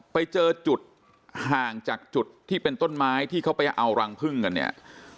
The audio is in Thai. ไปเจอจุดห่างจากจุดที่เป็นต้นไม้ที่เขาไปเอารังพึ่งกันเนี่ย